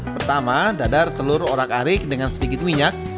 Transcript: pertama dadar telur orak arik dengan sedikit minyak